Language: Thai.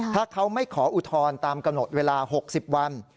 ถ้าเขาไม่ขออุทธรณ์ตามกำหนดเวลา๖๐วัน